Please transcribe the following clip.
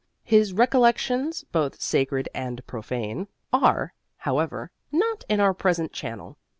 His recollections, both sacred and profane, are, however, not in our present channel.